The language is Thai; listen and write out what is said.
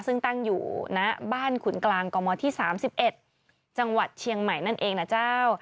ซึ่งตั้งอยู่ณบ้านขุนกลางกมที่๓๑จังหวัดเชียงใหม่นั่นเองนะเจ้า